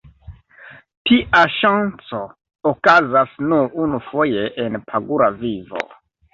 Tia ŝanco okazas nur unufoje en pagura vivo.